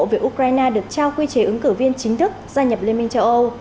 việc ukraine được trao quy chế ứng cử viên chính thức gia nhập liên minh châu âu